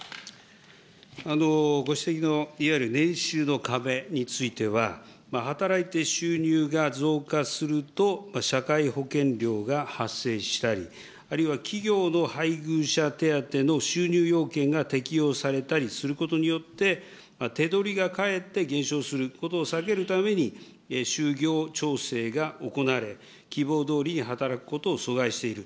ご指摘のいわゆる年収の壁については、働いて収入が増加すると、社会保険料が発生したり、あるいは企業の配偶者手当の収入要件が適用されたりすることによって、手取りがかえって減少することを避けるために、就業調整が行われ、希望どおりに働くことを阻害している。